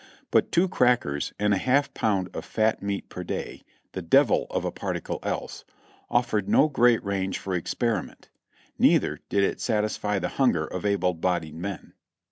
But two crackers and a half pound of fat meat per day (the devil of a particle else!) of fered no great range for experiment; neither did it satisfy the hunger of able bodied men.